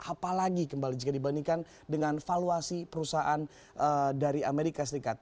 apalagi kembali jika dibandingkan dengan valuasi perusahaan dari amerika serikat